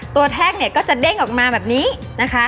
แท่งเนี่ยก็จะเด้งออกมาแบบนี้นะคะ